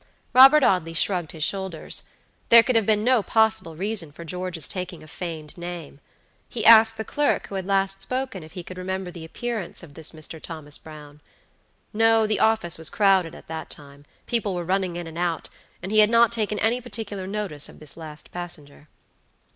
Robert Audley shrugged his shoulders. There could have been no possible reason for George's taking a feigned name. He asked the clerk who had last spoken if he could remember the appearance of this Mr. Thomas Brown. No; the office was crowded at the time; people were running in and out, and he had not taken any particular notice of this last passenger.